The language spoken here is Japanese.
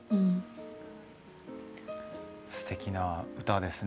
すてきな歌ですね。